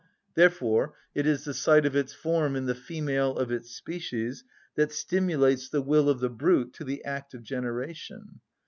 Therefore it is the sight of its form in the female of its species that stimulates the will of the brute to the act of generation.